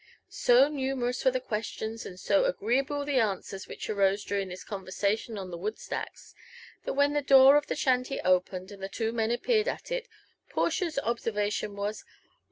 So numerous were the questions and so agreeable the answers which arose during this conversation on the wood stacks,, that when the door of the shanty opened ^pd the two men appeared at it, Portia's observa tion was.